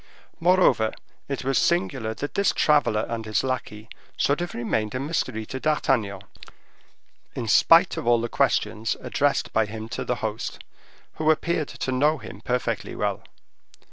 Moreover, it was singular that this traveler and his lackey should have remained a mystery to D'Artagnan, in spite of all the questions addressed by him to the host, who appeared to know him perfectly well.